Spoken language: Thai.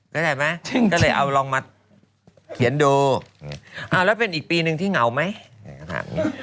เข้าใจไหมก็เลยเอาลองมาเขียนดูเอาแล้วเป็นอีกปีหนึ่งที่เหงาไหม